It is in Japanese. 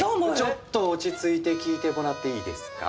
ちょっと落ち着いて聞いてもらっていいですか？